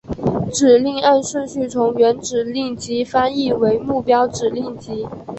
指令按顺序从原指令集翻译为目标指令集。